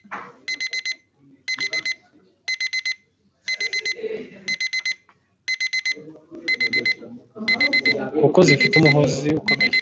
kuko zifite umuhozi ukomeye